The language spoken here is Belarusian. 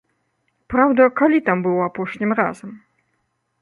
Праўда, калі там быў апошнім разам?!